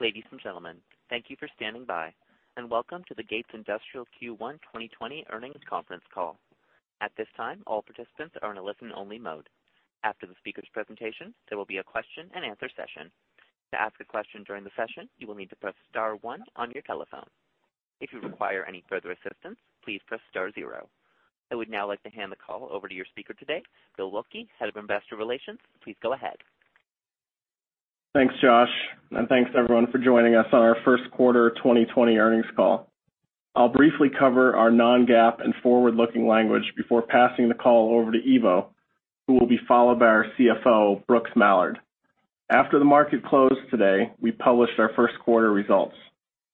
Ladies and gentlemen, thank you for standing by, and welcome to the Gates Industrial Q1 2020 Earnings Conference Call. At this time, all participants are in a listen-only mode. After the speaker's presentation, there will be a question-and-answer session. To ask a question during the session, you will need to press star one on your telephone. If you require any further assistance, please press star zero. I would now like to hand the call over to your speaker today, Bill Waelke, Head of Investor Relations. Please go ahead. Thanks, Josh, and thanks, everyone, for joining us on our first quarter 2020 earnings call. I'll briefly cover our non-GAAP and forward-looking language before passing the call over to Ivo, who will be followed by our CFO, Brooks Mallard. After the market closed today, we published our first quarter results.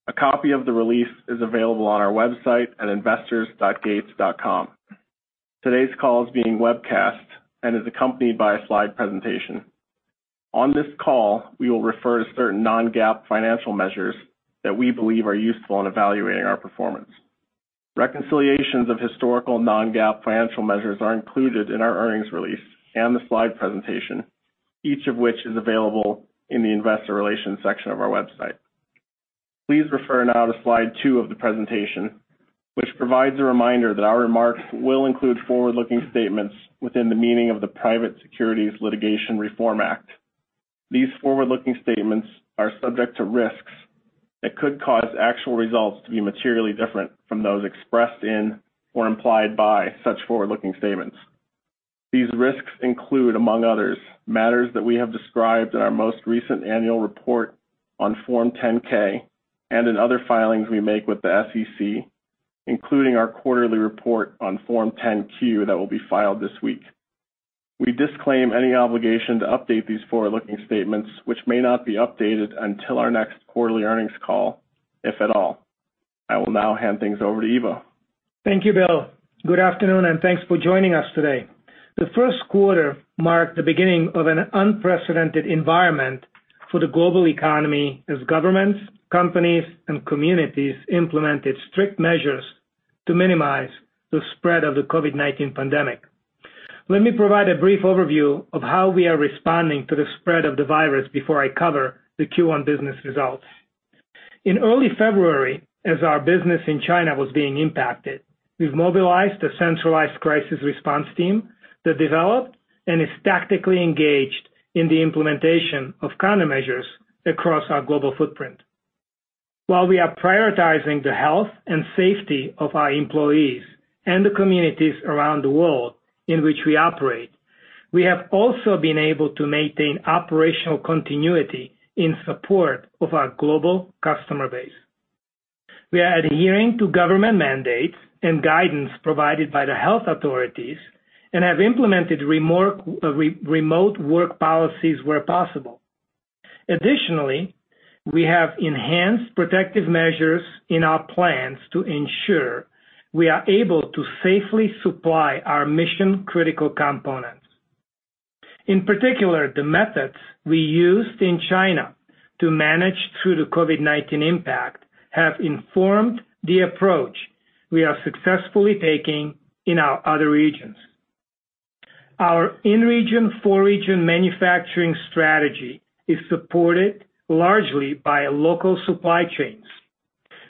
A copy of the release is available on our website at investors.gates.com. Today's call is being webcast and is accompanied by a slide presentation. On this call, we will refer to certain non-GAAP financial measures that we believe are useful in evaluating our performance. Reconciliations of historical non-GAAP financial measures are included in our earnings release and the slide presentation, each of which is available in the investor relations section of our website. Please refer now to slide two of the presentation, which provides a reminder that our remarks will include forward-looking statements within the meaning of the Private Securities Litigation Reform Act. These forward-looking statements are subject to risks that could cause actual results to be materially different from those expressed in or implied by such forward-looking statements. These risks include, among others, matters that we have described in our most recent annual report on Form 10-K and in other filings we make with the SEC, including our quarterly report on Form 10-Q that will be filed this week. We disclaim any obligation to update these forward-looking statements, which may not be updated until our next quarterly earnings call, if at all. I will now hand things over to Ivo. Thank you, Bill. Good afternoon, and thanks for joining us today. The first quarter marked the beginning of an unprecedented environment for the global economy as governments, companies, and communities implemented strict measures to minimize the spread of the COVID-19 pandemic. Let me provide a brief overview of how we are responding to the spread of the virus before I cover the Q1 business results. In early February, as our business in China was being impacted, we mobilized a centralized crisis response team that developed and is tactically engaged in the implementation of countermeasures across our global footprint. While we are prioritizing the health and safety of our employees and the communities around the world in which we operate, we have also been able to maintain operational continuity in support of our global customer base. We are adhering to government mandates and guidance provided by the health authorities and have implemented remote work policies where possible. Additionally, we have enhanced protective measures in our plants to ensure we are able to safely supply our mission-critical components. In particular, the methods we used in China to manage through the COVID-19 impact have informed the approach we are successfully taking in our other regions. Our in-region four-region manufacturing strategy is supported largely by local supply chains.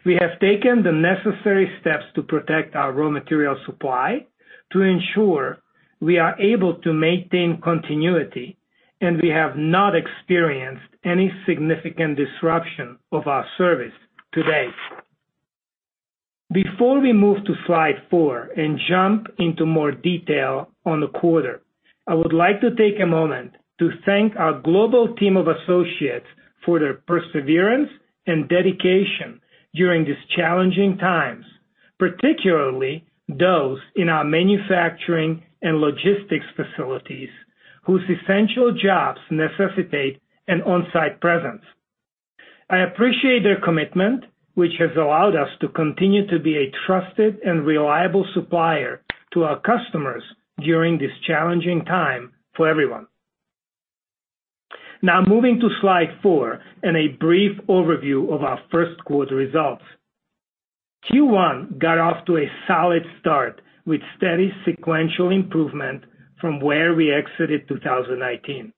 We have taken the necessary steps to protect our raw material supply to ensure we are able to maintain continuity, and we have not experienced any significant disruption of our service to date. Before we move to slide four and jump into more detail on the quarter, I would like to take a moment to thank our global team of associates for their perseverance and dedication during these challenging times, particularly those in our manufacturing and logistics facilities whose essential jobs necessitate an on-site presence. I appreciate their commitment, which has allowed us to continue to be a trusted and reliable supplier to our customers during this challenging time for everyone. Now, moving to slide four and a brief overview of our first quarter results. Q1 got off to a solid start with steady sequential improvement from where we exited 2019.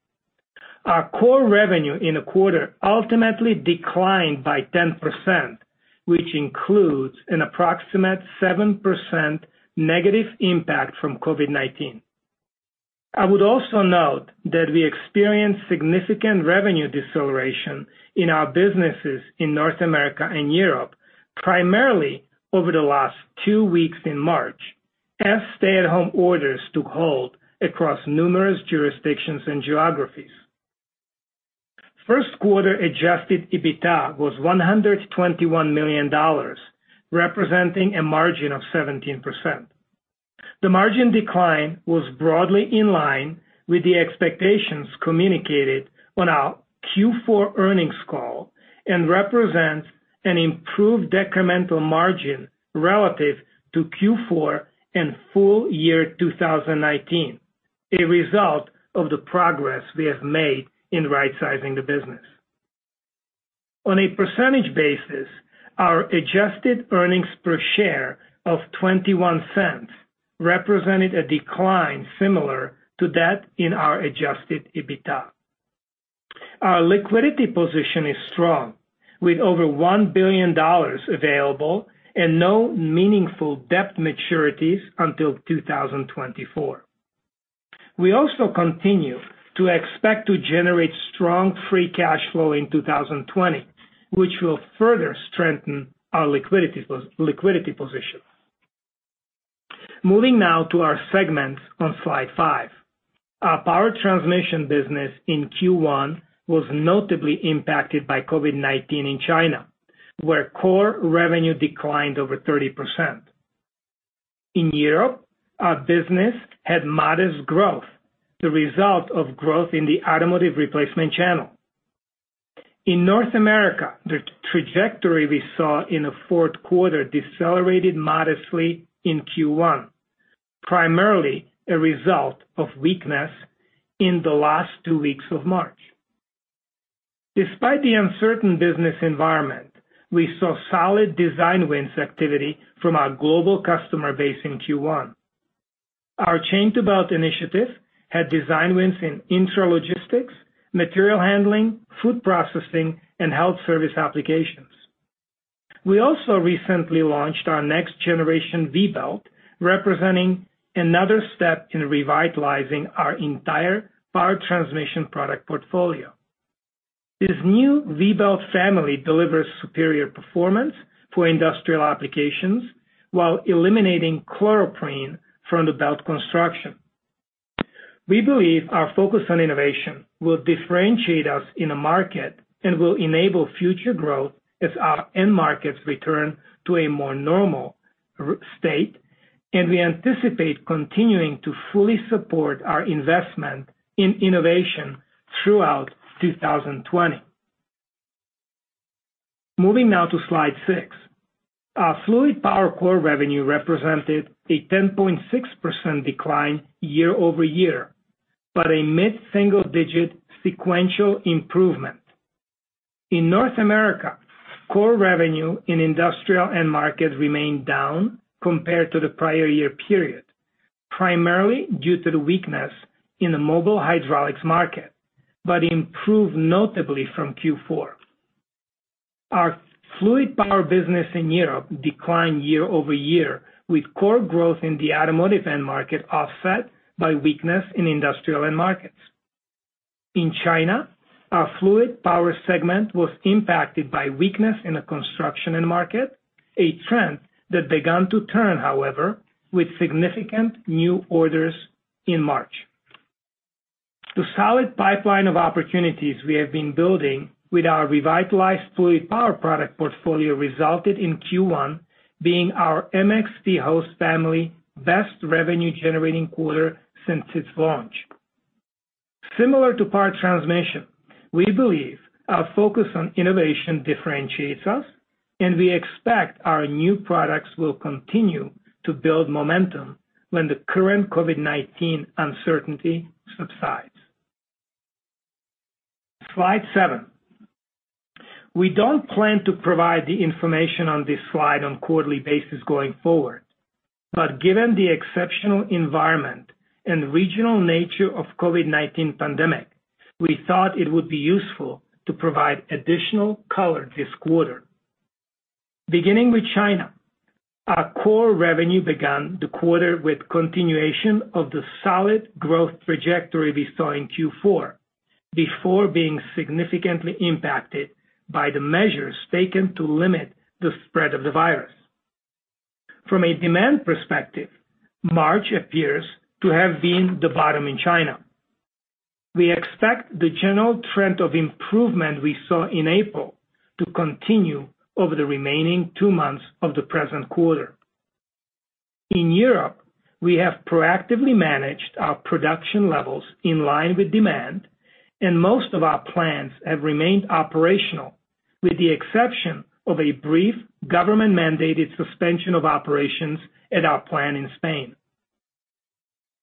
Our core revenue in the quarter ultimately declined by 10%, which includes an approximate 7% negative impact from COVID-19. I would also note that we experienced significant revenue deceleration in our businesses in North America and Europe, primarily over the last two weeks in March, as stay-at-home orders took hold across numerous jurisdictions and geographies. First quarter adjusted EBITDA was $121 million, representing a margin of 17%. The margin decline was broadly in line with the expectations communicated on our Q4 earnings call and represents an improved decremental margin relative to Q4 and full year 2019, a result of the progress we have made in right-sizing the business. On a percentage basis, our adjusted earnings per share of $0.21 represented a decline similar to that in our adjusted EBITDA. Our liquidity position is strong, with over $1 billion available and no meaningful debt maturities until 2024. We also continue to expect to generate strong free cash flow in 2020, which will further strengthen our liquidity position. Moving now to our segment on slide five, our power transmission business in Q1 was notably impacted by COVID-19 in China, where core revenue declined over 30%. In Europe, our business had modest growth, the result of growth in the automotive replacement channel. In North America, the trajectory we saw in the fourth quarter decelerated modestly in Q1, primarily a result of weakness in the last two weeks of March. Despite the uncertain business environment, we saw solid design wins activity from our global customer base in Q1. Our chain-to-belt initiative had design wins in intralogistics, material handling, food processing, and health service applications. We also recently launched our next-generation V-belt, representing another step in revitalizing our entire power transmission product portfolio. This new V-belt family delivers superior performance for industrial applications while eliminating chloroprene from the belt construction. We believe our focus on innovation will differentiate us in the market and will enable future growth as our end markets return to a more normal state, and we anticipate continuing to fully support our investment in innovation throughout 2020. Moving now to slide six, our fluid power core revenue represented a 10.6% decline year-over-year, but a mid-single-digit sequential improvement. In North America, core revenue in industrial end markets remained down compared to the prior year period, primarily due to the weakness in the mobile hydraulics market, but improved notably from Q4. Our fluid power business in Europe declined year-over-year, with core growth in the automotive end market offset by weakness in industrial end markets. In China, our fluid power segment was impacted by weakness in the construction end market, a trend that began to turn, however, with significant new orders in March. The solid pipeline of opportunities we have been building with our revitalized fluid power product portfolio resulted in Q1 being our MXP Host family's best revenue-generating quarter since its launch. Similar to power transmission, we believe our focus on innovation differentiates us, and we expect our new products will continue to build momentum when the current COVID-19 uncertainty subsides. Slide seven. We do not plan to provide the information on this slide on a quarterly basis going forward, but given the exceptional environment and regional nature of the COVID-19 pandemic, we thought it would be useful to provide additional color this quarter. Beginning with China, our core revenue began the quarter with continuation of the solid growth trajectory we saw in Q4 before being significantly impacted by the measures taken to limit the spread of the virus. From a demand perspective, March appears to have been the bottom in China. We expect the general trend of improvement we saw in April to continue over the remaining two months of the present quarter. In Europe, we have proactively managed our production levels in line with demand, and most of our plants have remained operational, with the exception of a brief government-mandated suspension of operations at our plant in Spain.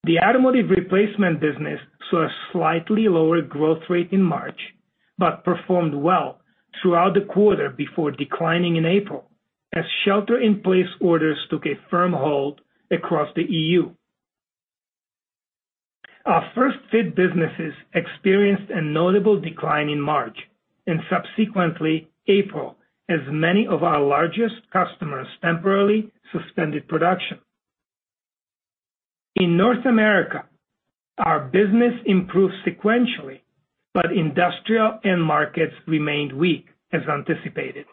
The automotive replacement business saw a slightly lower growth rate in March but performed well throughout the quarter before declining in April, as shelter-in-place orders took a firm hold across the EU. Our first-fit businesses experienced a notable decline in March and subsequently April, as many of our largest customers temporarily suspended production. In North America, our business improved sequentially, but industrial end markets remained weak as anticipated.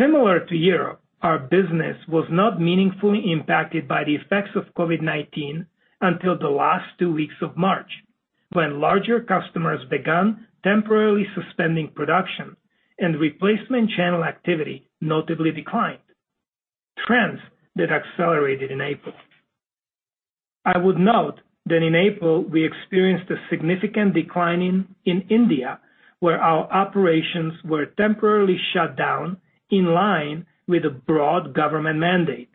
Similar to Europe, our business was not meaningfully impacted by the effects of COVID-19 until the last two weeks of March, when larger customers began temporarily suspending production, and replacement channel activity notably declined, trends that accelerated in April. I would note that in April, we experienced a significant decline in India, where our operations were temporarily shut down in line with a broad government mandate.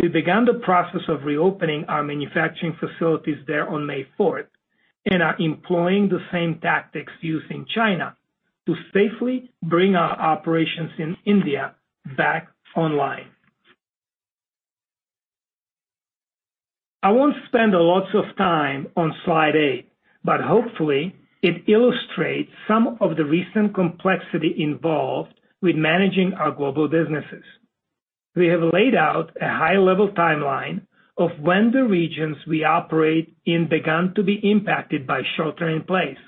We began the process of reopening our manufacturing facilities there on May four and are employing the same tactics used in China to safely bring our operations in India back online. I won't spend lots of time on slide eight, but hopefully, it illustrates some of the recent complexity involved with managing our global businesses. We have laid out a high-level timeline of when the regions we operate in began to be impacted by shelter-in-place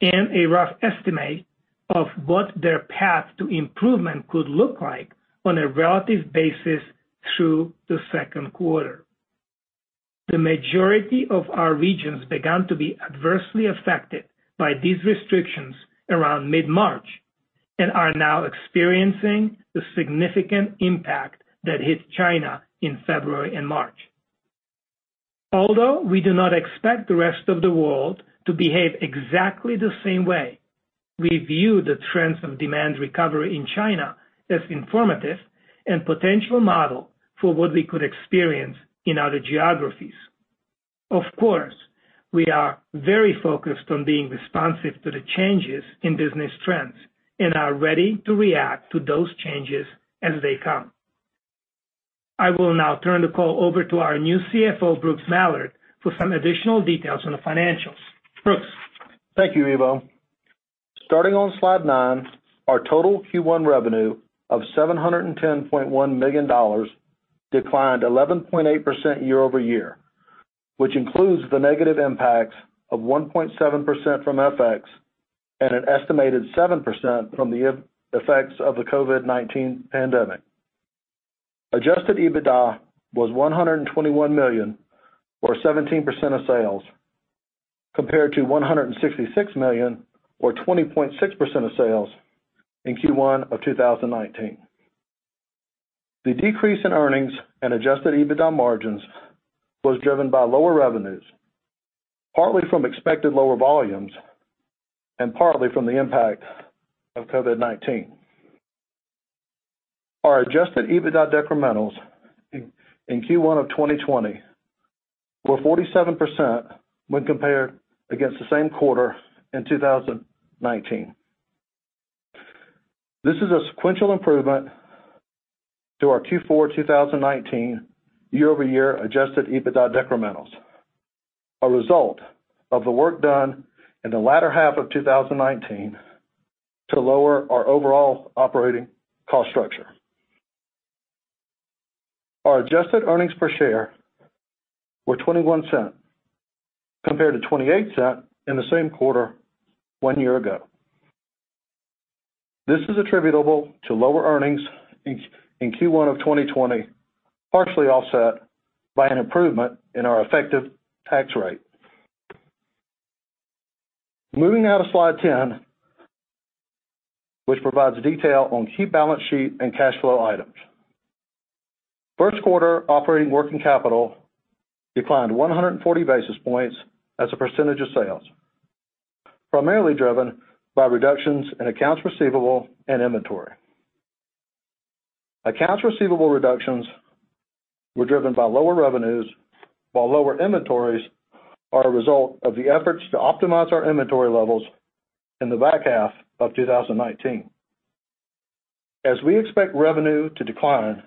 and a rough estimate of what their path to improvement could look like on a relative basis through the second quarter. The majority of our regions began to be adversely affected by these restrictions around mid-March and are now experiencing the significant impact that hit China in February and March. Although we do not expect the rest of the world to behave exactly the same way, we view the trends of demand recovery in China as informative and a potential model for what we could experience in other geographies. Of course, we are very focused on being responsive to the changes in business trends and are ready to react to those changes as they come. I will now turn the call over to our new CFO, Brooks Mallard, for some additional details on the financials. Brooks. Thank you, Ivo. Starting on slide nine, our total Q1 revenue of $710.1 million declined 11.8% year-over-year, which includes the negative impacts of 1.7% from FX and an estimated 7% from the effects of the COVID-19 pandemic. Adjusted EBITDA was $121 million, or 17% of sales, compared to $166 million, or 20.6% of sales in Q1 of 2019. The decrease in earnings and adjusted EBITDA margins was driven by lower revenues, partly from expected lower volumes and partly from the impact of COVID-19. Our adjusted EBITDA decrementals in Q1 of 2020 were 47% when compared against the same quarter in 2019. This is a sequential improvement to our Q4 2019 year-over-year adjusted EBITDA decrementals, a result of the work done in the latter half of 2019 to lower our overall operating cost structure. Our adjusted earnings per share were $0.21 compared to $0.28 in the same quarter one year ago. This is attributable to lower earnings in Q1 of 2020, partially offset by an improvement in our effective tax rate. Moving now to slide 10, which provides detail on key balance sheet and cash flow items. First quarter operating working capital declined 140 basis points as a percentage of sales, primarily driven by reductions in accounts receivable and inventory. Accounts receivable reductions were driven by lower revenues, while lower inventories are a result of the efforts to optimize our inventory levels in the back half of 2019. As we expect revenue to decline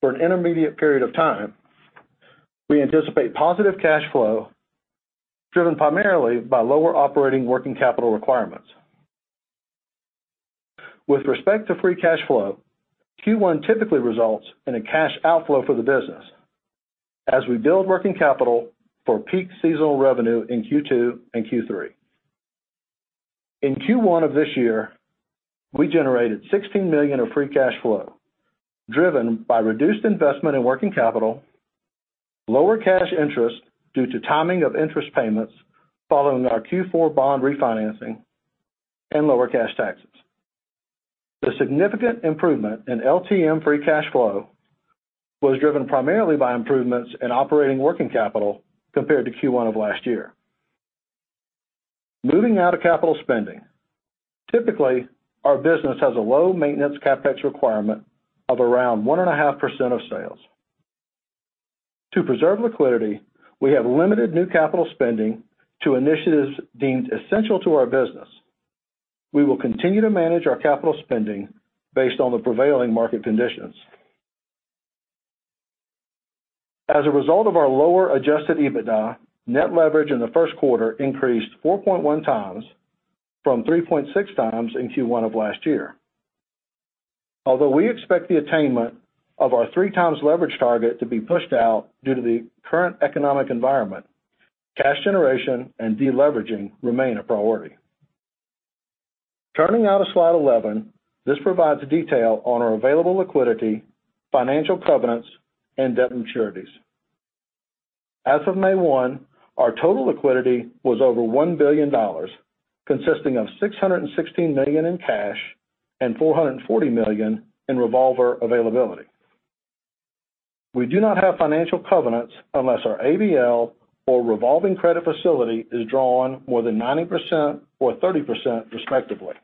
for an intermediate period of time, we anticipate positive cash flow driven primarily by lower operating working capital requirements. With respect to free cash flow, Q1 typically results in a cash outflow for the business as we build working capital for peak seasonal revenue in Q2 and Q3. In Q1 of this year, we generated $16 million of free cash flow driven by reduced investment in working capital, lower cash interest due to timing of interest payments following our Q4 bond refinancing, and lower cash taxes. The significant improvement in LTM free cash flow was driven primarily by improvements in operating working capital compared to Q1 of last year. Moving now to capital spending. Typically, our business has a low maintenance CapEx requirement of around 1.5% of sales. To preserve liquidity, we have limited new capital spending to initiatives deemed essential to our business. We will continue to manage our capital spending based on the prevailing market conditions. As a result of our lower adjusted EBITDA, net leverage in the first quarter increased 4.1x from 3.6x in Q1 of last year. Although we expect the attainment of our three-times leverage target to be pushed out due to the current economic environment, cash generation and deleveraging remain a priority. Turning now to slide 11, this provides detail on our available liquidity, financial covenants, and debt maturities. As of May 1, our total liquidity was over $1 billion, consisting of $616 million in cash and $440 million in revolver availability. We do not have financial covenants unless our AVL or revolving credit facility is drawn more than 90% or 30%, respectively.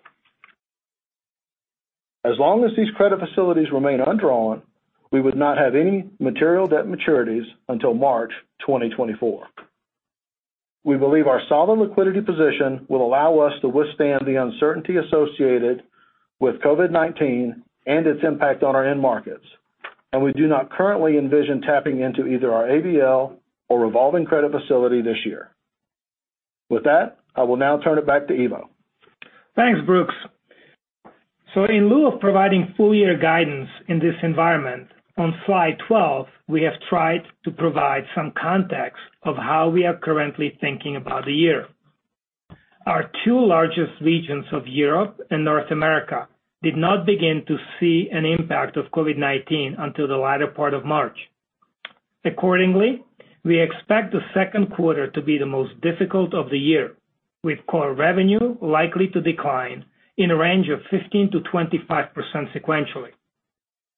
As long as these credit facilities remain undrawn, we would not have any material debt maturities until March 2024. We believe our solid liquidity position will allow us to withstand the uncertainty associated with COVID-19 and its impact on our end markets, and we do not currently envision tapping into either our AVL or revolving credit facility this year. With that, I will now turn it back to Ivo. Thanks, Brooks. In lieu of providing full-year guidance in this environment, on slide 12, we have tried to provide some context of how we are currently thinking about the year. Our two largest regions of Europe and North America did not begin to see an impact of COVID-19 until the latter part of March. Accordingly, we expect the second quarter to be the most difficult of the year, with core revenue likely to decline in a range of 15%-25% sequentially.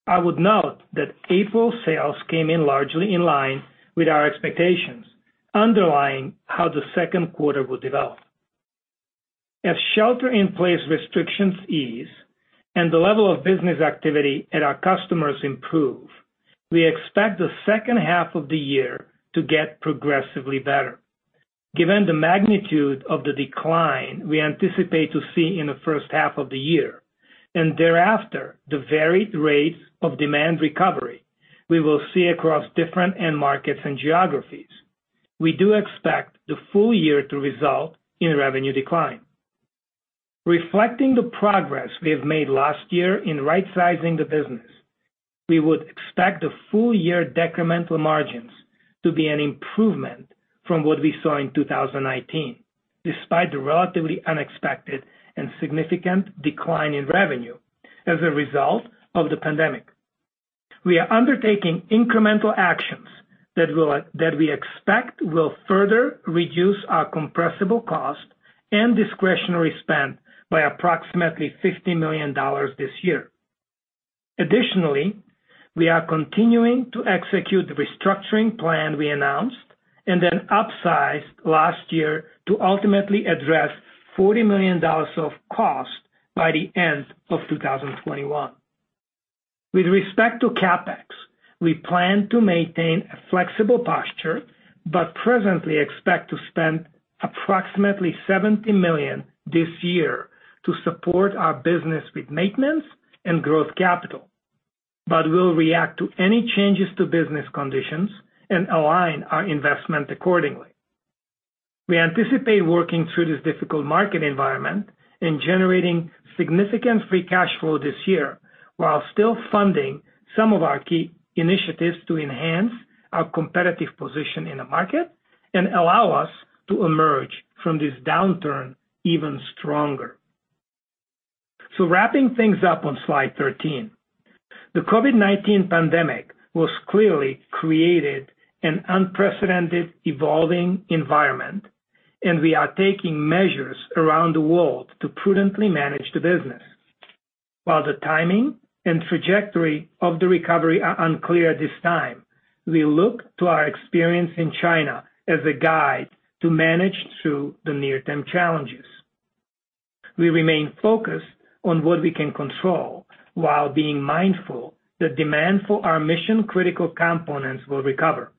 I would note that April's sales came in largely in line with our expectations, underlying how the second quarter would develop. As shelter-in-place restrictions ease and the level of business activity at our customers improves, we expect the second half of the year to get progressively better. Given the magnitude of the decline we anticipate to see in the first half of the year and thereafter the varied rates of demand recovery we will see across different end markets and geographies, we do expect the full year to result in revenue decline. Reflecting the progress we have made last year in right-sizing the business, we would expect the full-year decremental margins to be an improvement from what we saw in 2019, despite the relatively unexpected and significant decline in revenue as a result of the pandemic. We are undertaking incremental actions that we expect will further reduce our compressible cost and discretionary spend by approximately $50 million this year. Additionally, we are continuing to execute the restructuring plan we announced and then upsized last year to ultimately address $40 million of cost by the end of 2021. With respect to CapEx, we plan to maintain a flexible posture but presently expect to spend approximately $70 million this year to support our business with maintenance and growth capital, but we'll react to any changes to business conditions and align our investment accordingly. We anticipate working through this difficult market environment and generating significant free cash flow this year while still funding some of our key initiatives to enhance our competitive position in the market and allow us to emerge from this downturn even stronger. Wrapping things up on slide 13, the COVID-19 pandemic has clearly created an unprecedented evolving environment, and we are taking measures around the world to prudently manage the business. While the timing and trajectory of the recovery are unclear at this time, we look to our experience in China as a guide to manage through the near-term challenges. We remain focused on what we can control while being mindful that demand for our mission-critical components will recover.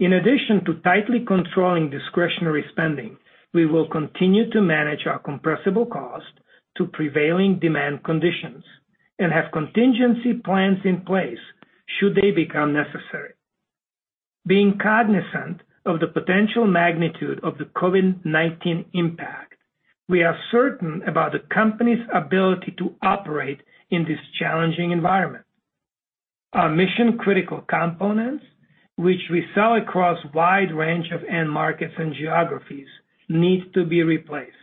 In addition to tightly controlling discretionary spending, we will continue to manage our compressible cost to prevailing demand conditions and have contingency plans in place should they become necessary. Being cognizant of the potential magnitude of the COVID-19 impact, we are certain about the company's ability to operate in this challenging environment. Our mission-critical components, which we sell across a wide range of end markets and geographies, need to be replaced.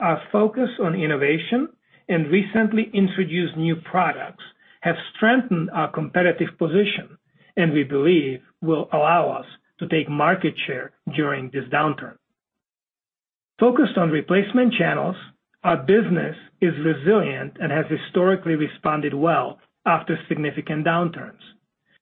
Our focus on innovation and recently introduced new products have strengthened our competitive position, and we believe will allow us to take market share during this downturn. Focused on replacement channels, our business is resilient and has historically responded well after significant downturns.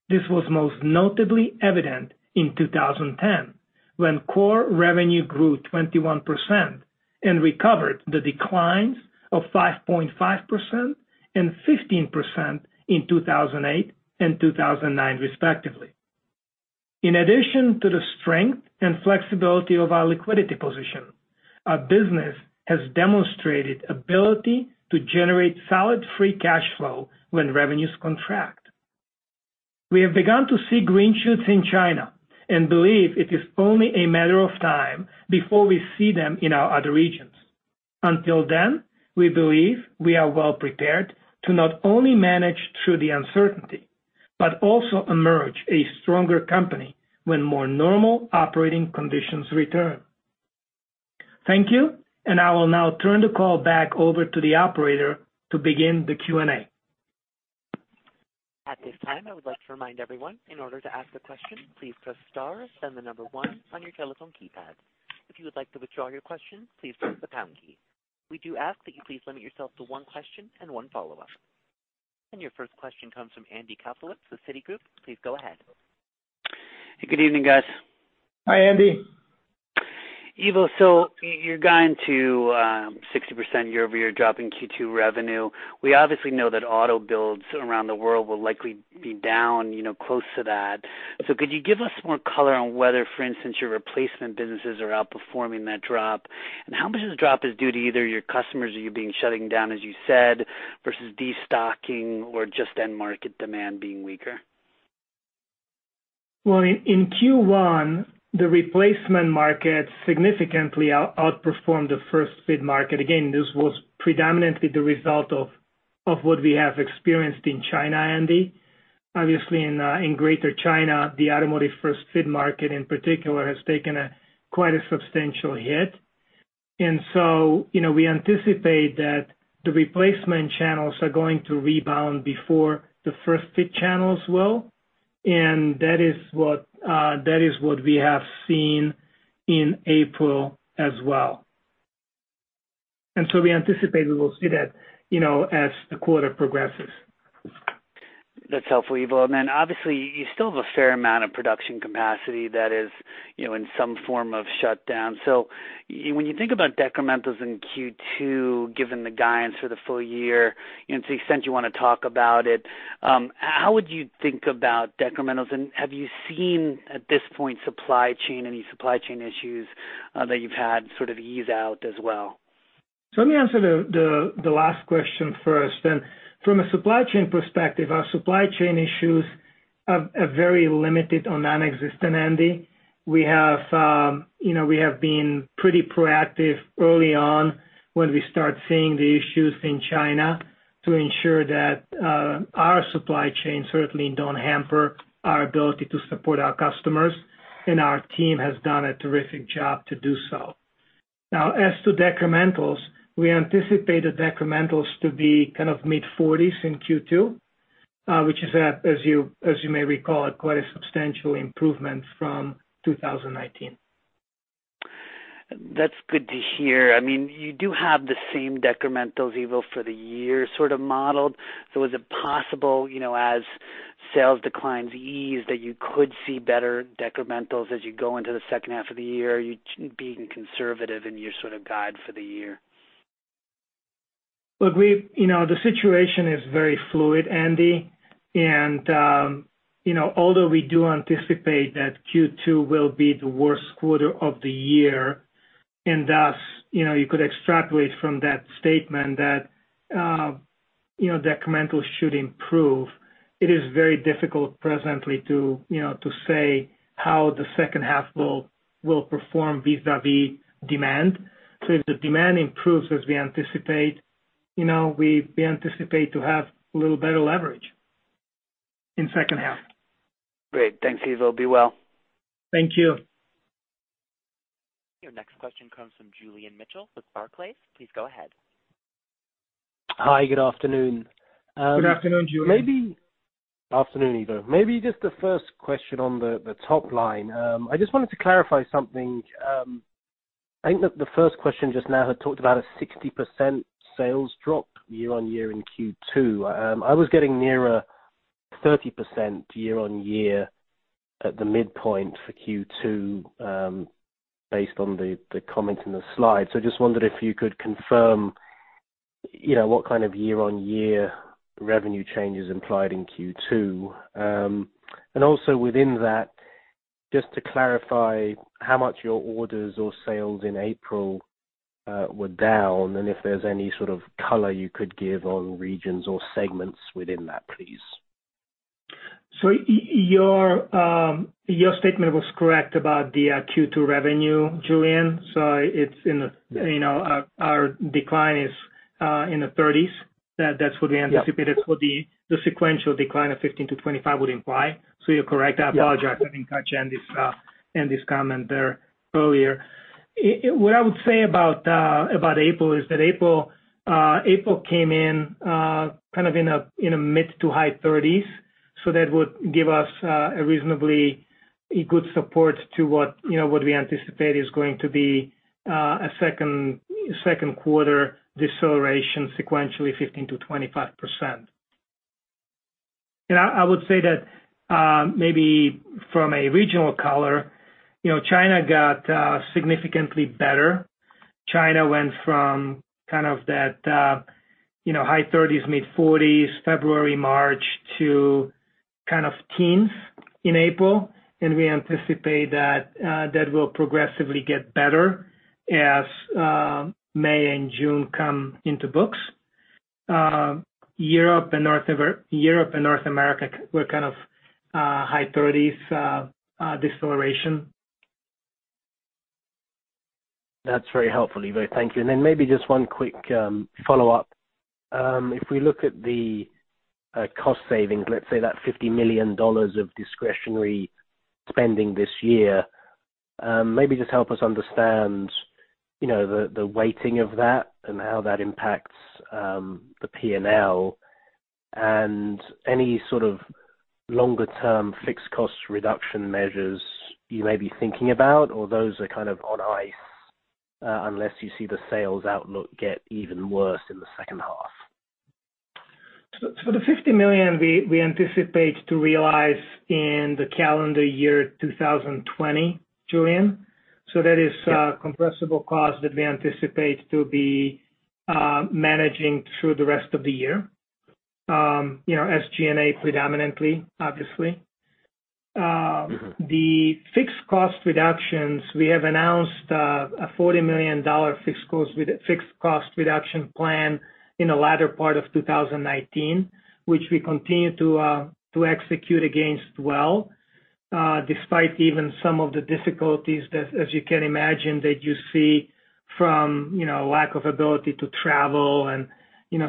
This was most notably evident in 2010 when core revenue grew 21% and recovered the declines of 5.5% and 15% in 2008 and 2009, respectively. In addition to the strength and flexibility of our liquidity position, our business has demonstrated the ability to generate solid free cash flow when revenues contract. We have begun to see green shoots in China and believe it is only a matter of time before we see them in our other regions. Until then, we believe we are well prepared to not only manage through the uncertainty but also emerge a stronger company when more normal operating conditions return. Thank you, and I will now turn the call back over to the operator to begin the Q&A. At this time, I would like to remind everyone, in order to ask a question, please press star and then the number one on your telephone keypad. If you would like to withdraw your question, please press the pound key. We do ask that you please limit yourself to one question and one follow-up. Your first question comes from Andy Kaplowitz, the Citigroup. Please go ahead. Good evening, guys. Hi, Andy. Ivo, you are going to 60% year-over-year drop in Q2 revenue. We obviously know that auto builds around the world will likely be down close to that. Could you give us more color on whether, for instance, your replacement businesses are outperforming that drop? How much of the drop is due to either your customers or you being shutting down, as you said, versus destocking or just end market demand being weaker? In Q1, the replacement market significantly outperformed the first-fit market. This was predominantly the result of what we have experienced in China, Andy. Obviously, in greater China, the automotive first-fit market, in particular, has taken quite a substantial hit. We anticipate that the replacement channels are going to rebound before the first-fit channels will, and that is what we have seen in April as well. We anticipate we will see that as the quarter progresses. That is helpful, Ivo. Obviously, you still have a fair amount of production capacity that is in some form of shutdown. When you think about decrementals in Q2, given the guidance for the full year, and to the extent you want to talk about it, how would you think about decrementals? Have you seen, at this point, any supply chain issues that you have had sort of ease out as well? Let me answer the last question first. From a supply chain perspective, our supply chain issues are very limited or nonexistent, Andy. We have been pretty proactive early on when we started seeing the issues in China to ensure that our supply chains certainly do not hamper our ability to support our customers, and our team has done a terrific job to do so. Now, as to decrementals, we anticipate the decrementals to be kind of mid-40s in Q2, which is, as you may recall, quite a substantial improvement from 2019. That is good to hear. I mean, you do have the same decrementals, Ivo, for the year sort of modeled. Is it possible, as sales declines ease, that you could see better decrementals as you go into the second half of the year, you being conservative in your sort of guide for the year? Look, the situation is very fluid, Andy. Although we do anticipate that Q2 will be the worst quarter of the year, and thus you could extrapolate from that statement that decrementals should improve, it is very difficult presently to say how the second half will perform vis-à-vis demand. If the demand improves, as we anticipate, we anticipate to have a little better leverage in the second half. Great. Thanks, Ivo. Be well. Thank you. Your next question comes from Julian Mitchell with Barclays. Please go ahead. Hi, good afternoon. Good afternoon, Julian. Maybe afternoon, Ivo. Maybe just the first question on the top line. I just wanted to clarify something. I think that the first question just now had talked about a 60% sales drop year-on-year in Q2. I was getting near a 30% year-on-year at the midpoint for Q2 based on the comments in the slide. I just wondered if you could confirm what kind of year-on-year revenue changes implied in Q2. Also, within that, just to clarify how much your orders or sales in April were down and if there's any sort of color you could give on regions or segments within that, please. Your statement was correct about the Q2 revenue, Julian. Our decline is in the 30s. That's what we anticipated for the sequential decline of 15%-25% would imply. You're correct. I apologize. I didn't catch Andy's comment there earlier. What I would say about April is that April came in kind of in a mid to high 30s. So that would give us a reasonably good support to what we anticipate is going to be a second quarter deceleration sequentially 15%-25%. I would say that maybe from a regional color, China got significantly better. China went from kind of that high 30s, mid-40s, February, March to kind of teens in April. We anticipate that that will progressively get better as May and June come into books. Europe and North America were kind of high 30s deceleration. That's very helpful, Ivo. Thank you. Maybe just one quick follow-up. If we look at the cost savings, let's say that $50 million of discretionary spending this year, maybe just help us understand the weighting of that and how that impacts the P&L and any sort of longer-term fixed cost reduction measures you may be thinking about, or those are kind of on ice unless you see the sales outlook get even worse in the second half. For the $50 million, we anticipate to realize in the calendar year 2020, Julian. That is compressible cost that we anticipate to be managing through the rest of the year as G&A predominantly, obviously. The fixed cost reductions, we have announced a $40 million fixed cost reduction plan in the latter part of 2019, which we continue to execute against well despite even some of the difficulties, as you can imagine, that you see from lack of ability to travel and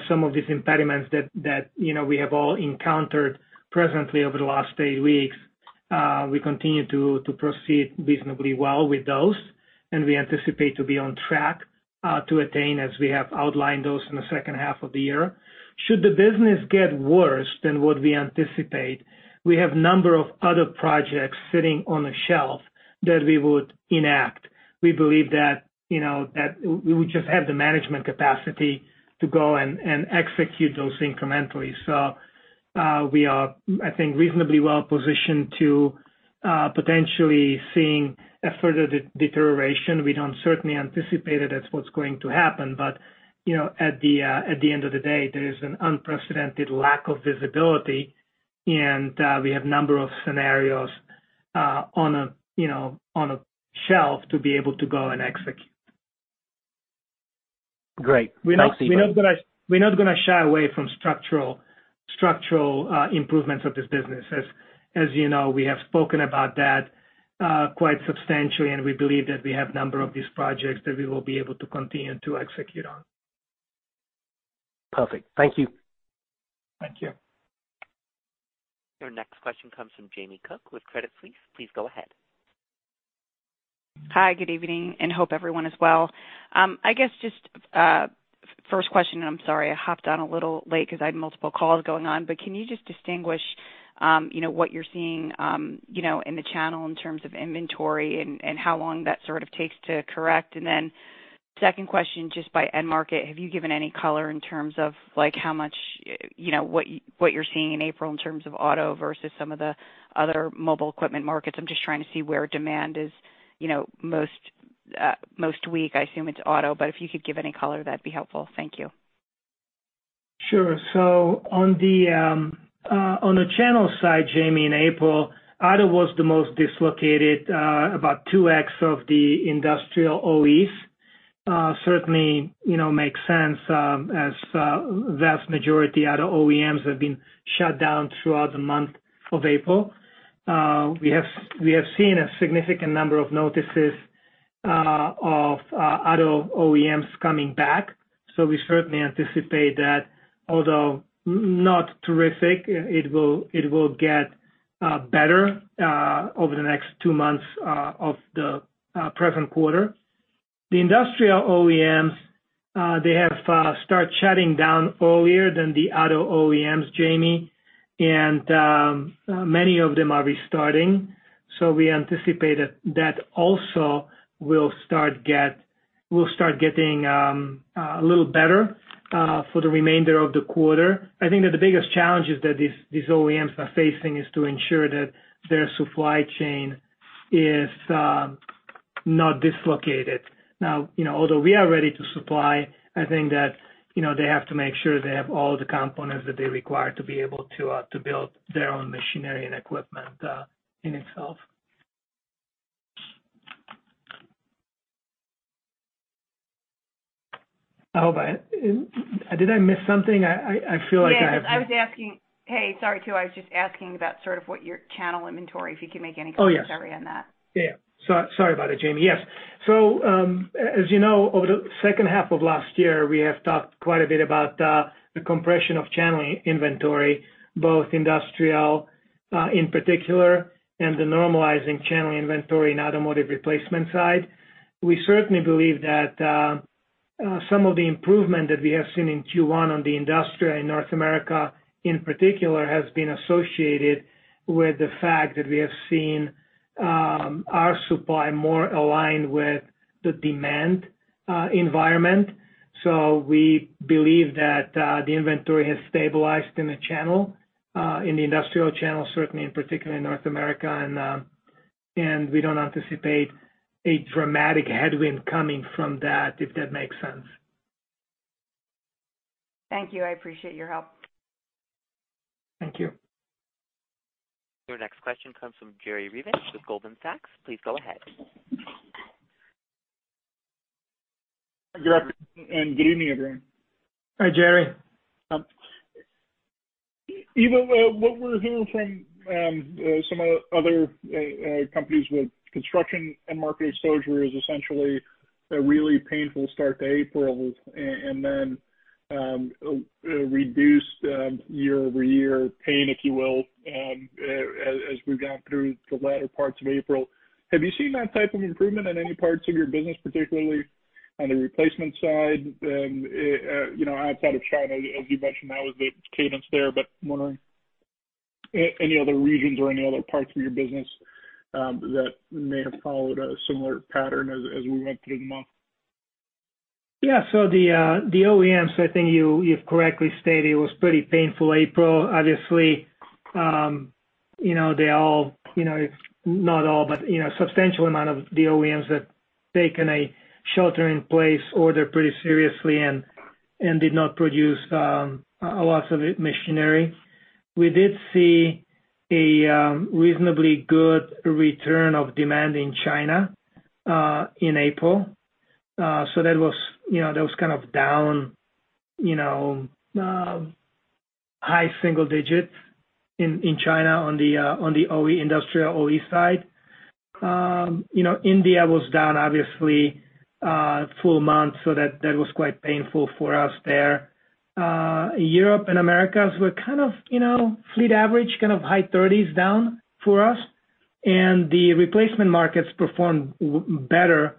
some of these impediments that we have all encountered presently over the last eight weeks. We continue to proceed reasonably well with those, and we anticipate to be on track to attain, as we have outlined those in the second half of the year. Should the business get worse than what we anticipate, we have a number of other projects sitting on the shelf that we would enact. We believe that we would just have the management capacity to go and execute those incrementally. So we are, I think, reasonably well positioned to potentially seeing a further deterioration. We do not certainly anticipate that that is what is going to happen. At the end of the day, there is an unprecedented lack of visibility, and we have a number of scenarios on a shelf to be able to go and execute. Great. Thanks, Ivo. We are not going to shy away from structural improvements of this business. As you know, we have spoken about that quite substantially, and we believe that we have a number of these projects that we will be able to continue to execute on. Perfect. Thank you. Thank you. Your next question comes from Jamie Cook with Credit Suisse. Please go ahead. Hi, good evening, and hope everyone is well. I guess just first question, and I am sorry I hopped on a little late because I had multiple calls going on. Can you just distinguish what you're seeing in the channel in terms of inventory and how long that sort of takes to correct? Second question, just by end market, have you given any color in terms of how much what you're seeing in April in terms of auto versus some of the other mobile equipment markets? I'm just trying to see where demand is most weak. I assume it's auto, but if you could give any color, that'd be helpful. Thank you. Sure. On the channel side, Jamie, in April, auto was the most dislocated, about 2X of the industrial OEs. Certainly makes sense as the vast majority of the OEMs have been shut down throughout the month of April. We have seen a significant number of notices of auto OEMs coming back. We certainly anticipate that, although not terrific, it will get better over the next two months of the present quarter. The industrial OEMs, they have started shutting down earlier than the auto OEMs, Jamie, and many of them are restarting. We anticipate that that also will start getting a little better for the remainder of the quarter. I think that the biggest challenge that these OEMs are facing is to ensure that their supply chain is not dislocated. Now, although we are ready to supply, I think that they have to make sure they have all the components that they require to be able to build their own machinery and equipment in itself. Did I miss something? I feel like I have to. Yeah. I was asking, hey, sorry too I was just asking about sort of what your channel inventory, if you can make any commentary on that. Oh, yes. Yeah. Sorry about it, Jamie. Yes. As you know, over the second half of last year, we have talked quite a bit about the compression of channel inventory, both industrial in particular and the normalizing channel inventory in automotive replacement side. We certainly believe that some of the improvement that we have seen in Q1 on the industrial in North America in particular has been associated with the fact that we have seen our supply more aligned with the demand environment. We believe that the inventory has stabilized in the channel, in the industrial channel, certainly in particular in North America. We do not anticipate a dramatic headwind coming from that, if that makes sense. Thank you. I appreciate your help. Thank you. Your next question comes from Jerry Revich with Goldman Sachs. Please go ahead. Good afternoon and good evening, everyone. Hi, Jerry. Ivo, what we're hearing from some other companies with construction and market exposure is essentially a really painful start to April and then reduced year-over-year pain, if you will, as we've gone through the latter parts of April. Have you seen that type of improvement in any parts of your business, particularly on the replacement side outside of China? As you mentioned, that was the cadence there. I'm wondering any other regions or any other parts of your business that may have followed a similar pattern as we went through the month. Yeah. The OEMs, I think you've correctly stated, it was pretty painful April. Obviously, they all, not all, but a substantial amount of the OEMs that take a shelter in place order pretty seriously and did not produce a lot of machinery. We did see a reasonably good return of demand in China in April. That was kind of down high single digit in China on the industrial OE side. India was down, obviously, full month, so that was quite painful for us there. Europe and America were kind of fleet average, kind of high 30s down for us. The replacement markets performed better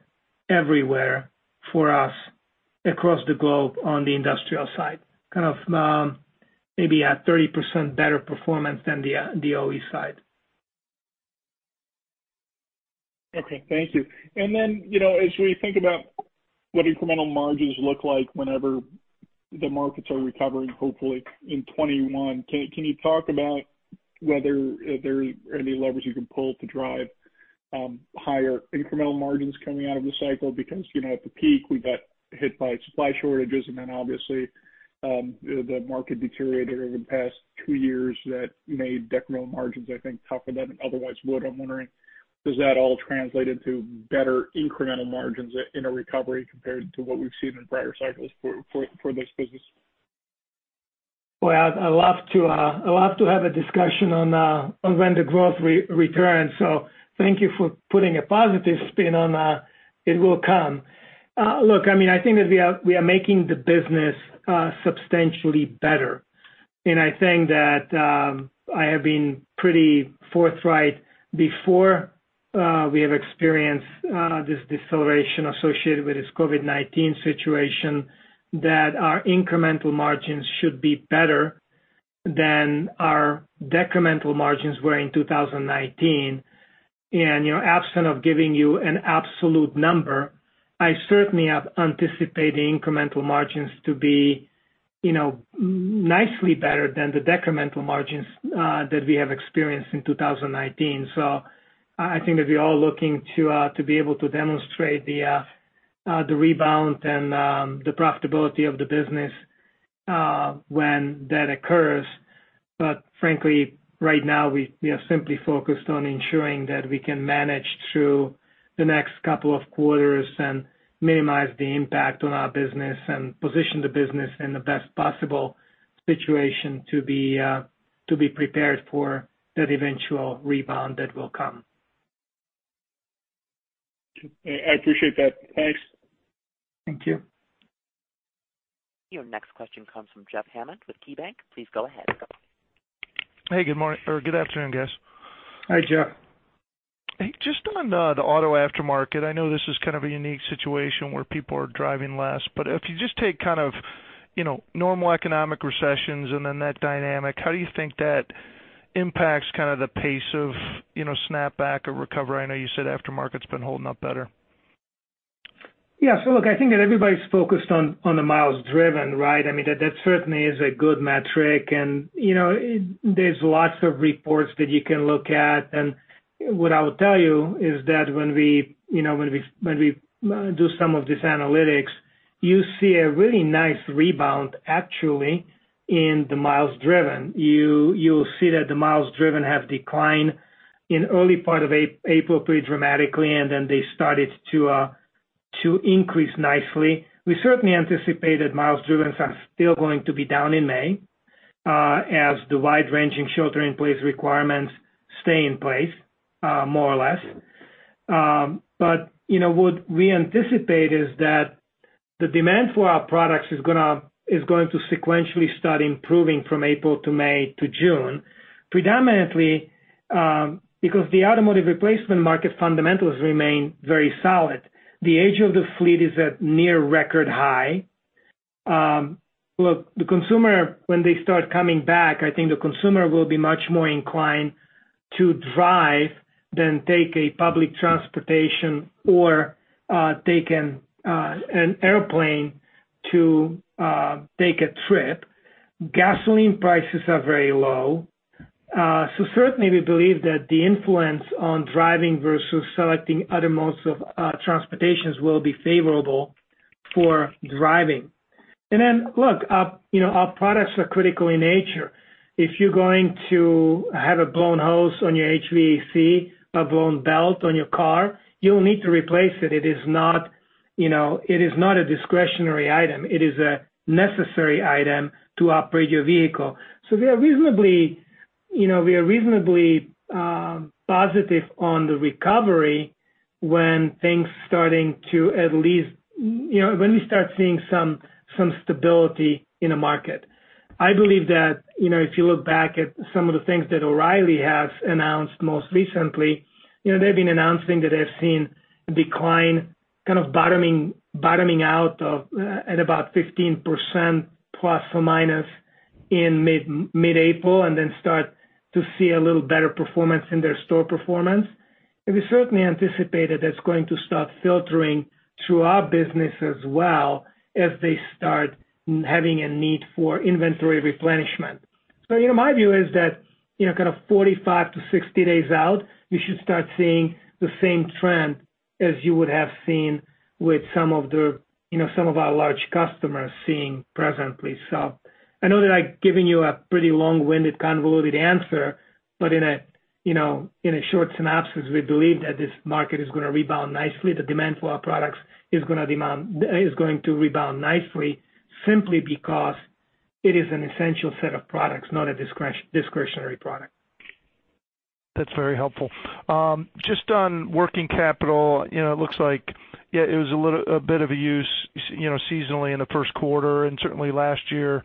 everywhere for us across the globe on the industrial side, kind of maybe at 30% better performance than the OE side. Okay. Thank you. As we think about what incremental margins look like whenever the markets are recovering, hopefully, in 2021, can you talk about whether there are any levers you can pull to drive higher incremental margins coming out of the cycle? Because at the peak, we got hit by supply shortages, and then obviously, the market deteriorated over the past two years that made decremental margins, I think, tougher than otherwise would. I'm wondering, does that all translate into better incremental margins in a recovery compared to what we've seen in prior cycles for this business? I'd love to have a discussion on when the growth returns. Thank you for putting a positive spin on it will come. Look, I mean, I think that we are making the business substantially better. I think that I have been pretty forthright before we have experienced this deceleration associated with this COVID-19 situation that our incremental margins should be better than our decremental margins were in 2019. Absent of giving you an absolute number, I certainly have anticipated incremental margins to be nicely better than the decremental margins that we have experienced in 2019. I think that we are all looking to be able to demonstrate the rebound and the profitability of the business when that occurs. But frankly, right now, we are simply focused on ensuring that we can manage through the next couple of quarters and minimize the impact on our business and position the business in the best possible situation to be prepared for that eventual rebound that will come. I appreciate that. Thanks. Thank you. Your next question comes from Jeff Hammond with KeyBanc. Please go ahead. Hey, good afternoon, guys. Hi, Jeff. Hey, just on the auto aftermarket, I know this is kind of a unique situation where people are driving less. If you just take kind of normal economic recessions and then that dynamic, how do you think that impacts kind of the pace of snapback or recovery? I know you said aftermarket's been holding up better. Yeah. I think that everybody's focused on the miles driven, right? I mean, that certainly is a good metric. There are lots of reports that you can look at. What I will tell you is that when we do some of this analytics, you see a really nice rebound, actually, in the miles driven. You'll see that the miles driven have declined in the early part of April pretty dramatically, and then they started to increase nicely. We certainly anticipate that miles driven are still going to be down in May as the wide-ranging shelter-in-place requirements stay in place, more or less. What we anticipate is that the demand for our products is going to sequentially start improving from April to May to June, predominantly because the automotive replacement market fundamentals remain very solid. The age of the fleet is at near record high. Look, the consumer, when they start coming back, I think the consumer will be much more inclined to drive than take a public transportation or take an airplane to take a trip. Gasoline prices are very low. Certainly, we believe that the influence on driving versus selecting other modes of transportation will be favorable for driving. Our products are critical in nature. If you're going to have a blown hose on your HVAC, a blown belt on your car, you'll need to replace it. It is not a discretionary item. It is a necessary item to operate your vehicle. We are reasonably positive on the recovery when things starting to at least when we start seeing some stability in the market. I believe that if you look back at some of the things that O'Reilly has announced most recently, they've been announcing that they've seen a decline kind of bottoming out at about 15% plus or minus in mid-April and then start to see a little better performance in their store performance. We certainly anticipate that that's going to start filtering through our business as well as they start having a need for inventory replenishment. My view is that kind of 45-60 days out, you should start seeing the same trend as you would have seen with some of our large customers seeing presently. I know that I've given you a pretty long-winded, convoluted answer, but in a short synopsis, we believe that this market is going to rebound nicely. The demand for our products is going to rebound nicely simply because it is an essential set of products, not a discretionary product. That is very helpful. Just on working capital, it looks like, yeah, it was a bit of a use seasonally in the first quarter. Certainly, last year,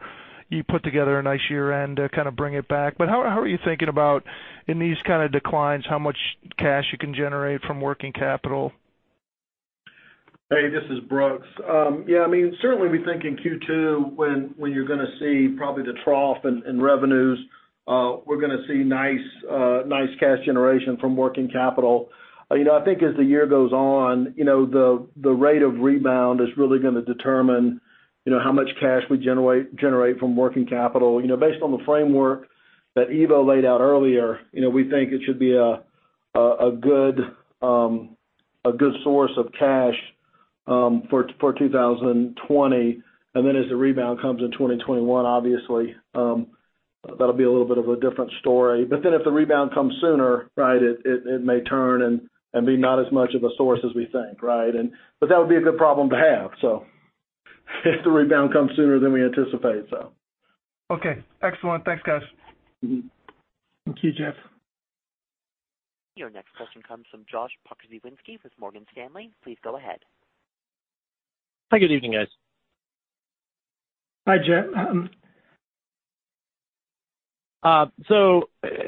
you put together a nice year-end to kind of bring it back. How are you thinking about, in these kind of declines, how much cash you can generate from working capital? Hey, this is Brooks. Yeah. I mean, certainly, we think in Q2, when you are going to see probably the trough in revenues, we are going to see nice cash generation from working capital. I think as the year goes on, the rate of rebound is really going to determine how much cash we generate from working capital. Based on the framework that Ivo laid out earlier, we think it should be a good source of cash for 2020. As the rebound comes in 2021, obviously, that'll be a little bit of a different story. If the rebound comes sooner, right, it may turn and be not as much of a source as we think, right? That would be a good problem to have. If the rebound comes sooner than we anticipate. Okay. Excellent. Thanks, guys. Thank you, Jeff. Your next question comes from Josh Pokrzywinski with Morgan Stanley. Please go ahead. Hi, good evening, guys. Hi, Jeff.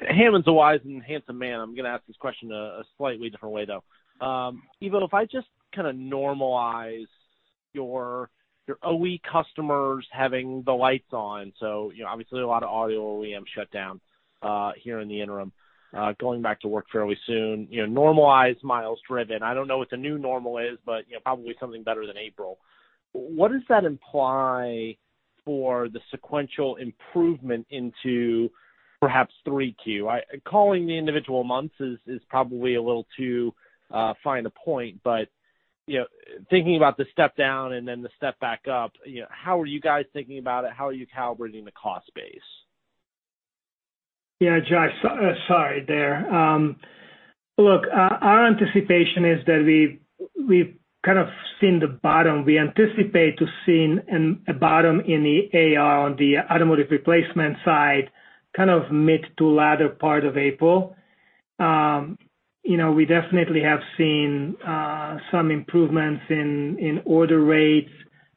Hammond's a wise and handsome man. I'm going to ask this question a slightly different way, though. Ivo, if I just kind of normalize your OE customers having the lights on so obviously, a lot of auto OEMs shut down here in the interim, going back to work fairly soon, normalize miles driven. I do not know what the new normal is, but probably something better than April. What does that imply for the sequential improvement into perhaps 3Q? Calling the individual months is probably a little too fine a point. Thinking about the step down and then the step back up, how are you guys thinking about it? How are you calibrating the cost base? Yeah, Josh. Sorry there. Look, our anticipation is that we have kind of seen the bottom. We anticipate to see a bottom in the AR on the automotive replacement side, kind of mid to latter part of April. We definitely have seen some improvements in order rates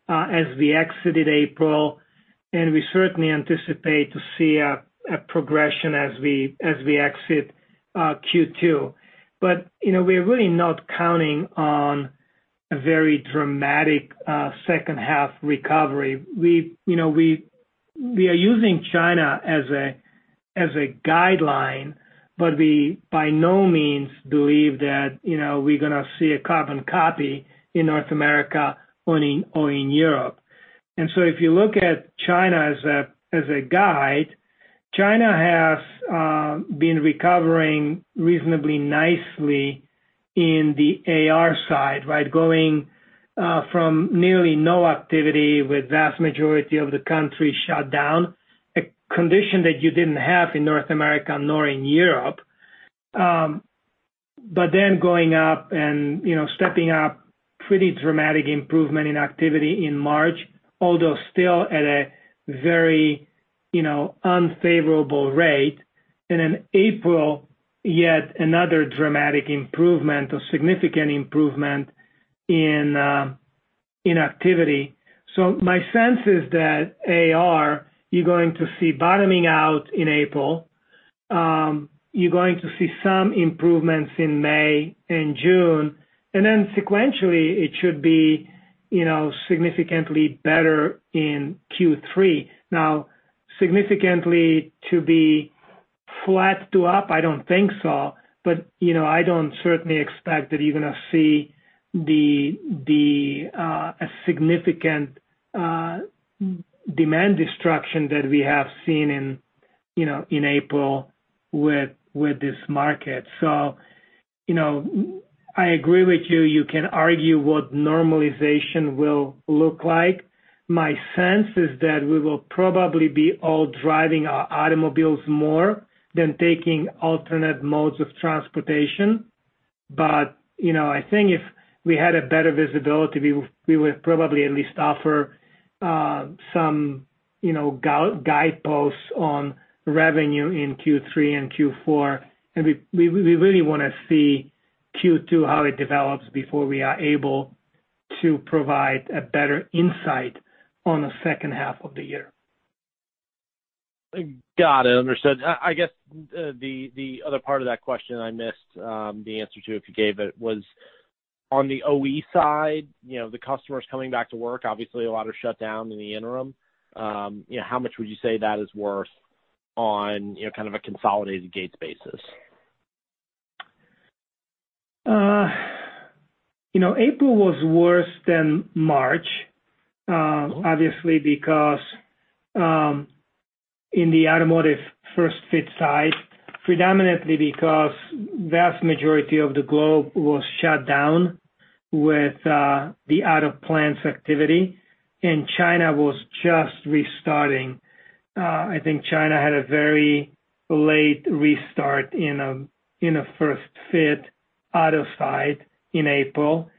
as we exited April. We certainly anticipate to see a progression as we exit Q2. We are really not counting on a very dramatic second-half recovery. We are using China as a guideline, but we by no means believe that we're going to see a carbon copy in North America or in Europe. If you look at China as a guide, China has been recovering reasonably nicely in the AR side, right, going from nearly no activity with the vast majority of the country shut down, a condition that you did not have in North America nor in Europe. Then going up and stepping up, pretty dramatic improvement in activity in March, although still at a very unfavorable rate. In April, yet another dramatic improvement or significant improvement in activity. My sense is that AR, you're going to see bottoming out in April. You're going to see some improvements in May and June. Then sequentially, it should be significantly better in Q3. Now, significantly to be flat to up, I don't think so. I don't certainly expect that you're going to see a significant demand destruction that we have seen in April with this market. I agree with you. You can argue what normalization will look like. My sense is that we will probably be all driving our automobiles more than taking alternate modes of transportation. I think if we had a better visibility, we would probably at least offer some guideposts on revenue in Q3 and Q4. We really want to see Q2, how it develops, before we are able to provide a better insight on the second half of the year. Got it. Understood. I guess the other part of that question I missed the answer to, if you gave it, was on the OE side, the customers coming back to work, obviously, a lot of shutdown in the interim. How much would you say that is worth on kind of a consolidated gauge basis? April was worse than March, obviously, because in the automotive first-fit side, predominantly because the vast majority of the globe was shut down with the out-of-plants activity. China was just restarting. I think China had a very late restart in the first-fit auto side in April.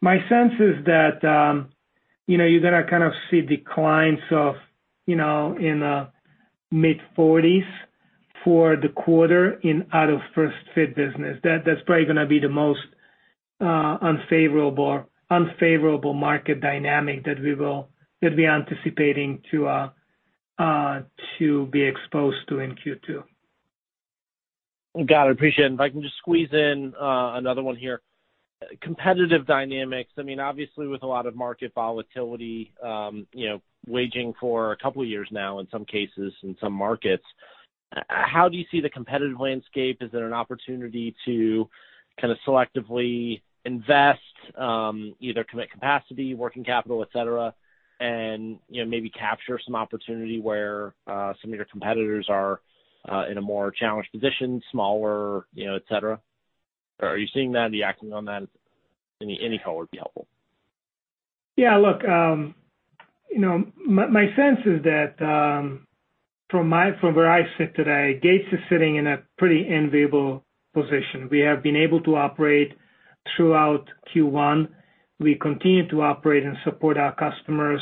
My sense is that you're going to kind of see declines in the mid-40s for the quarter in auto first-fit business. That's probably going to be the most unfavorable market dynamic that we're anticipating to be exposed to in Q2. Got it. Appreciate it. If I can just squeeze in another one here. Competitive dynamics, I mean, obviously, with a lot of market volatility waging for a couple of years now in some cases in some markets, how do you see the competitive landscape? Is there an opportunity to kind of selectively invest, either commit capacity, working capital, etc., and maybe capture some opportunity where some of your competitors are in a more challenged position, smaller, you know etc.? Are you seeing that? Are you acting on that? Any color would be helpful. Yeah. Look, my sense is that from where I sit today, Gates is sitting in a pretty enviable position. We have been able to operate throughout Q1. We continue to operate and support our customers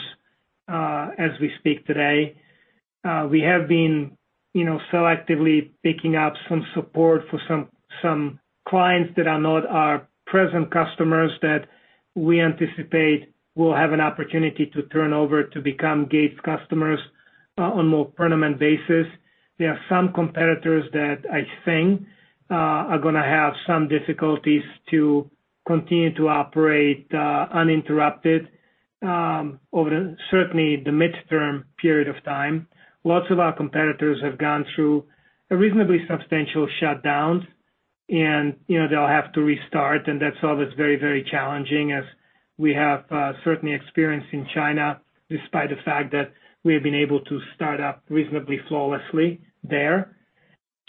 as we speak today. We have been selectively picking up some support for some clients that are not our present customers that we anticipate will have an opportunity to turn over to become Gates customers on a more permanent basis. There are some competitors that I think are going to have some difficulties to continue to operate uninterrupted over certainly the midterm period of time. Lots of our competitors have gone through a reasonably substantial shutdown, and they'll have to restart. That is always very, very challenging, as we have certainly experienced in China, despite the fact that we have been able to start up reasonably flawlessly there.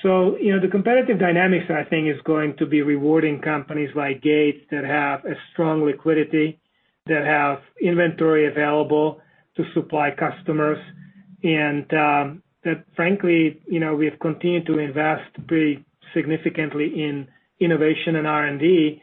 The competitive dynamics, I think, is going to be rewarding companies like Gates that have strong liquidity, that have inventory available to supply customers, and that, frankly, we have continued to invest pretty significantly in innovation and R&D.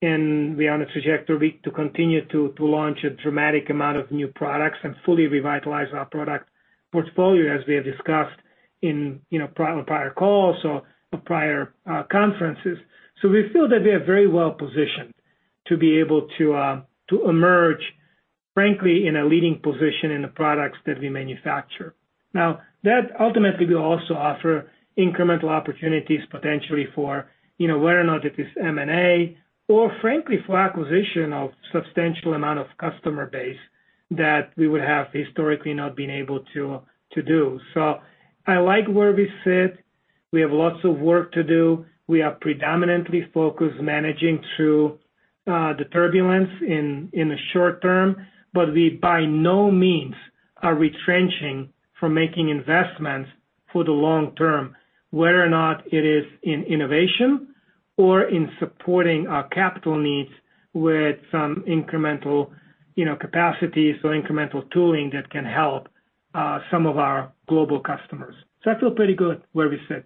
We are on a trajectory to continue to launch a dramatic amount of new products and fully revitalize our product portfolio, as we have discussed in prior calls or prior conferences. We feel that we are very well positioned to be able to emerge, frankly, in a leading position in the products that we manufacture. That ultimately will also offer incremental opportunities, potentially, for whether or not it is M&A or, frankly, for acquisition of a substantial amount of customer base that we would have historically not been able to do. I like where we sit. We have lots of work to do. We are predominantly focused on managing through the turbulence in the short term, but we by no means are retrenching from making investments for the long term, whether or not it is in innovation or in supporting our capital needs with some incremental capacity or incremental tooling that can help some of our global customers. I feel pretty good where we sit.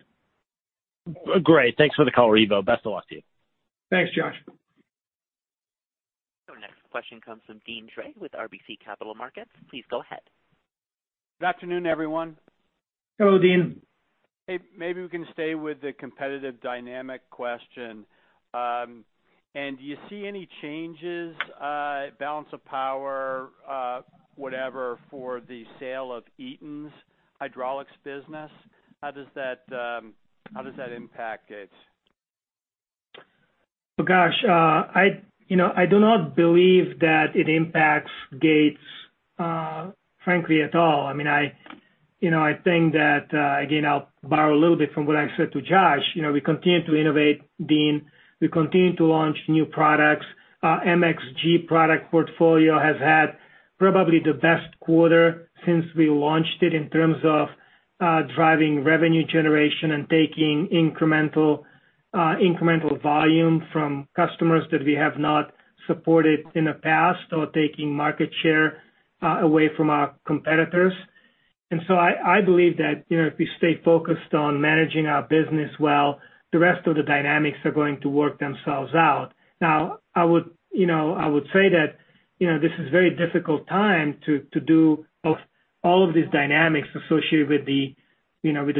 Great. Thanks for the call, Ivo. Best of luck to you. Thanks, Josh. Our next question comes from Deane Dray with RBC Capital Markets. Please go ahead. Good afternoon, everyone. Hello, Deane. Hey. Maybe we can stay with the competitive dynamic question. Do you see any changes, balance of power, whatever, for the sale of Eaton's hydraulics business? How does that impact Gates? I do not believe that it impacts Gates, frankly, at all. I mean, I think that, again, I'll borrow a little bit from what I said to Josh. We continue to innovate, Deane. We continue to launch new products. MXG product portfolio has had probably the best quarter since we launched it in terms of driving revenue generation and taking incremental volume from customers that we have not supported in the past or taking market share away from our competitors. I believe that if we stay focused on managing our business well, the rest of the dynamics are going to work themselves out. Now, I would say that this is a very difficult time to do all of these dynamics associated with the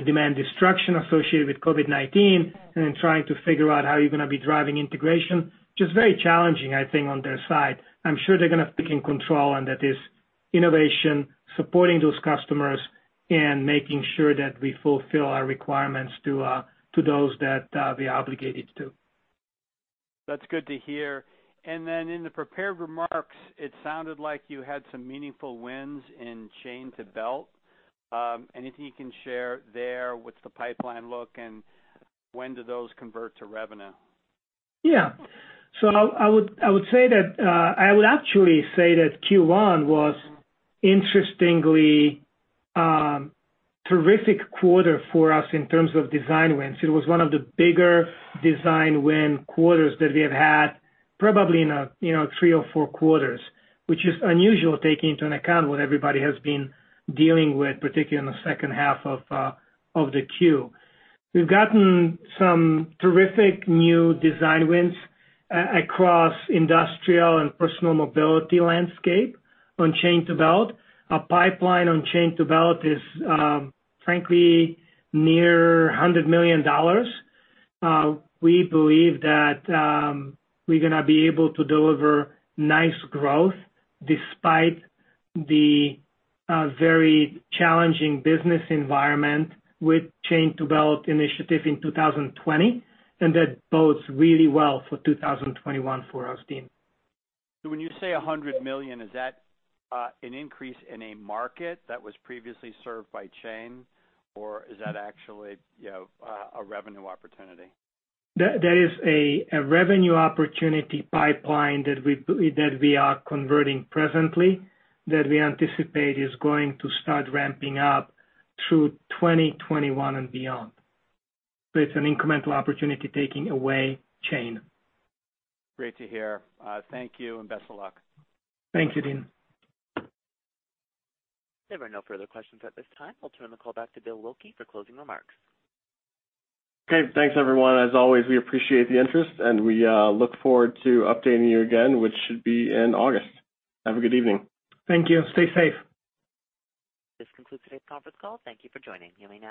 demand destruction associated with COVID-19 and then trying to figure out how you're going to be driving integration. Just very challenging, I think, on their side. I'm sure they're going to be in control, and that is innovation, supporting those customers, and making sure that we fulfill our requirements to those that we are obligated to. That's good to hear. In the prepared remarks, it sounded like you had some meaningful wins in chain to belt. Anything you can share there? What's the pipeline look, and when do those convert to revenue? Yeah. I would say that I would actually say that Q1 was, interestingly, a terrific quarter for us in terms of design wins. It was one of the bigger design win quarters that we have had, probably in three or four quarters, which is unusual taking into account what everybody has been dealing with, particularly in the second half of the Q. We've gotten some terrific new design wins across industrial and personal mobility landscape on chain to belt. Our pipeline on chain to belt is, frankly, near $100 million. We believe that we're going to be able to deliver nice growth despite the very challenging business environment with chain to belt initiative in 2020, and that bodes really well for 2021 for us, Deane. When you say $100 million, is that an increase in a market that was previously served by chain, or is that actually a revenue opportunity? That is a revenue opportunity pipeline that we are converting presently that we anticipate is going to start ramping up through 2021 and beyond. It is an incremental opportunity taking away chain. Great to hear. Thank you, and best of luck. Thank you, Deane. I have no further questions at this time. I'll turn the call back to Bill Waelke for closing remarks. Okay. Thanks, everyone. As always, we appreciate the interest, and we look forward to updating you again, which should be in August. Have a good evening. Thank you. Stay safe. This concludes today's conference call. Thank you for joining. You may now disconnect.